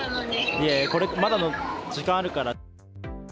いやいや、これ、まだ時間あるから。